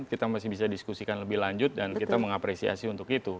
kita masih bisa diskusikan lebih lanjut dan kita mengapresiasi untuk itu